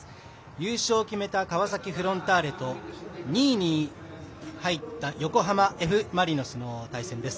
優勝を決めた川崎フロンターレと２位に入った横浜Ｆ・マリノスの対戦です。